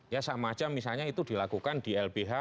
ya sama aja misalnya itu dilakukan di lbh